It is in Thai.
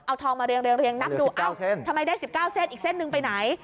เอาทองมาเรียงนับดูเอ้าทำไมได้๑๙เส้นอีกเส้นหนึ่งไปไหน